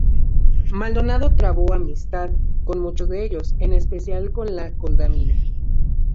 Maldonado trabó amistad con muchos de ellos, en especial con La Condamine.